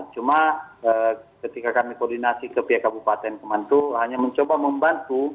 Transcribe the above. cuma ketika kami koordinasi ke pihak kabupaten kemantu hanya mencoba membantu